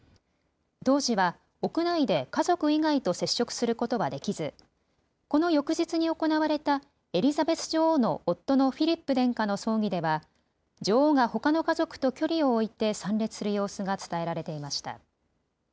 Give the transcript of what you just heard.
当時は屋内で家族以外と接触することはできずこの翌日に行われたエリザベス女王の夫のフィリップ殿下の葬儀では女王がほかの家族と距離を置いて参列する様子が伝えられていました。